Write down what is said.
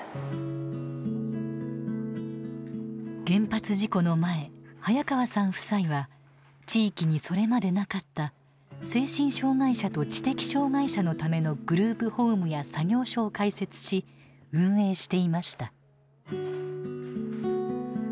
原発事故の前早川さん夫妻は地域にそれまでなかった精神障害者と知的障害者のためのグループホームや作業所を開設し運営していました。